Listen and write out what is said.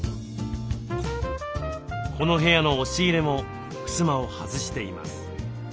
この部屋の押し入れもふすまを外しています。